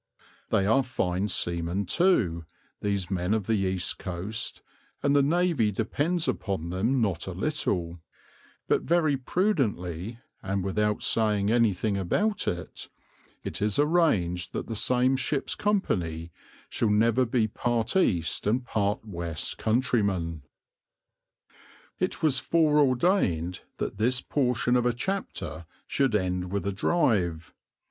They are fine seamen, too, these men of the east coast, and the Navy depends upon them not a little; but very prudently, and without saying anything about it, it is arranged that the same ship's company shall never be part east and part west countrymen. It was fore ordained that this portion of a chapter should end with a drive.